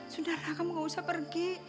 sudah kamu gak usah pergi